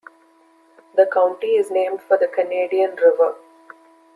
The county is named for the Canadian River.